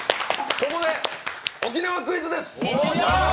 ここで沖縄クイズです！